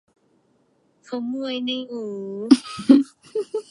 หมูในอวย